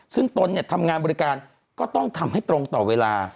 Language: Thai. ซึ่งตนทำงานบริการก็ต้องทำให้ตรงต่อเวลา